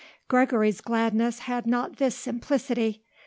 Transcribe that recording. Gregory's gladness had not this simplicity.